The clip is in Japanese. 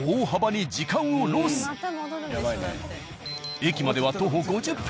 駅までは徒歩５０分。